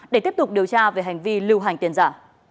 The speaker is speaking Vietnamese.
để tiếp tục điều tra về hành vi lưu hành tiền giả